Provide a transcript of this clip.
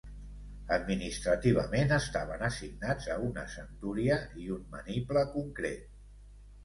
Administrativament, estaven assignats a una centúria i un maniple concret.